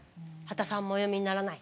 刄田さんもお読みにならない？